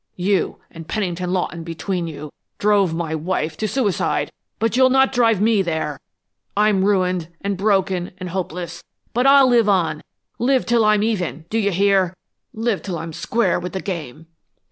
You and Pennington Lawton between you, drove my wife to suicide, but you'll not drive me there! I'm ruined, and broken, and hopeless, but I'll live on, live till I'm even, do you hear? Live till I'm square with the game!"